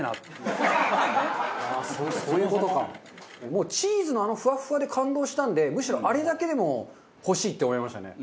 もうチーズのあのフワフワで感動したんでむしろあれだけでも欲しいって思いましたね。